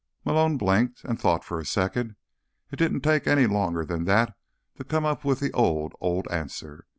Malone blinked and thought for a second. It didn't take any longer than that to come up with the old, old answer.